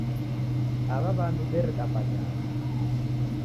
Aw'a w'andu deredambanyagha